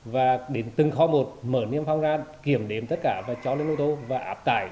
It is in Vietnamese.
và đến từng khó một mở niêm phong ra kiểm đếm tất cả và cho lên nội thố và áp tải